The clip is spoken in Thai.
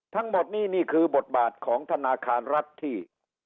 ทั้งหมดนี้นี่คือบทบาทของธนาคารรัฐที่